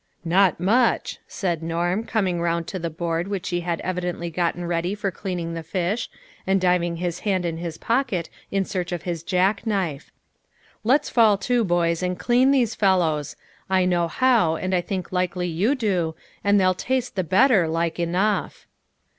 " Not much," said Norm, coming around to the board which she had evidently gotten ready for cleaning the fish, and diving his hand in his pocket in search of his jack knife. " Let's fall to, boys, and clean these fellows. I know how, and I think likely you do, and they'll taste the better, like enough."